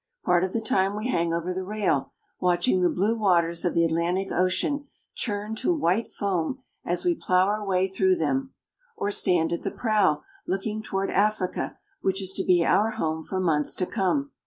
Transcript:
Part of the time we hang over the rail, watching the blue waters of the Atlantic Ocean churned to white foam as we plow our way through them ; or stand at the prow, looking toward Africa, which is to be our home for months to come.